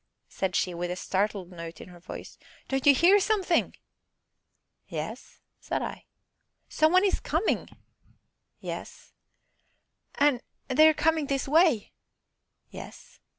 said she, with a startled note in her voice, "don't you hear something?" "Yes," said I. "Some one is coming!" "Yes." "And they are coming this way!" "Yes."